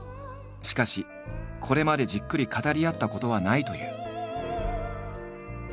しかしこれまでじっくり語り合ったことはないという。